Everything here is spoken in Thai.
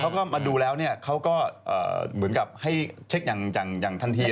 เขาก็มาดูแล้วเนี่ยเขาก็เหมือนกับให้เช็คอย่างทันที